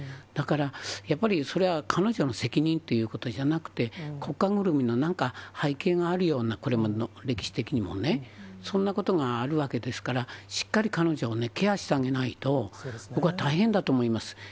だから、やっぱりそれは彼女の責任ということじゃなくて、国家ぐるみの、なんか背景があるような、これも歴史的にもね、そんなことがあるわけですから、しっかり彼女をケアしてあげないと、僕は大変だと思います。